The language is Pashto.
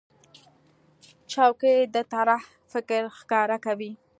چوکۍ د طراح فکر ښکاره کوي.